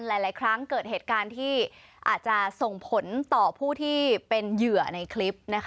หลายครั้งเกิดเหตุการณ์ที่อาจจะส่งผลต่อผู้ที่เป็นเหยื่อในคลิปนะคะ